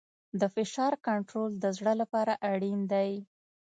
د فشار کنټرول د زړه لپاره اړین دی.